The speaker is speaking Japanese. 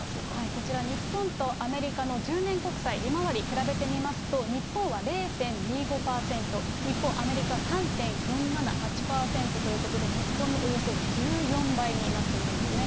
こちら、日本とアメリカの１０年国債利回り、比べてみますと、日本は０．２５％、一方アメリカ３．４７８％ということで、日本のおよそ１４倍になっているんですね。